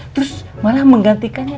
terus malah menggantikannya